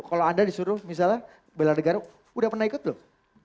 kalau anda disuruh misalnya bela negara udah pernah ikut belum